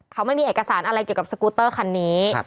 เขาไม่มีเอกสารอะไรเกี่ยวกับสกูเตอร์คันนี้